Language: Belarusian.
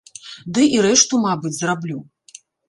Ды і рэшту, мабыць, зраблю.